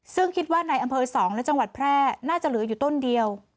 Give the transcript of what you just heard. ซึ่งคิดว่าในอำเภอ๒และจังหวัดแพร่น่าจะเหลืออยู่ต้นเดียว